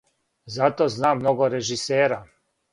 Зато знам много режисера.